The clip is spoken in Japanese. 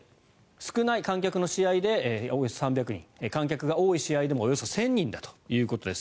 少ない観客の試合でおよそ３００人観客が多い試合でもおよそ１０００人だということです。